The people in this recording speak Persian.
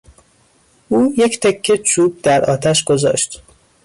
او یک تکه چوب در آتش گذاشت.